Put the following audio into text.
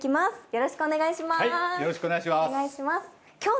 よろしくお願いします。